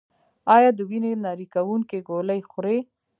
ایا د وینې نری کوونکې ګولۍ خورئ؟